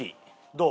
どう？